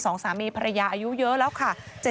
สองสามีภรรยาอายุเยอะแล้วค่ะ